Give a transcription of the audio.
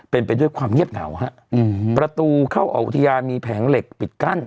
เป็นไปด้วยความเงียบเหงาฮะอืมประตูเข้าออกอุทยานมีแผงเหล็กปิดกั้น